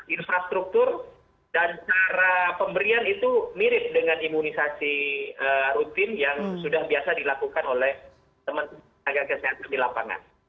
infrastruktur dan cara pemberian itu mirip dengan imunisasi rutin yang sudah biasa dilakukan oleh teman teman tenaga kesehatan di lapangan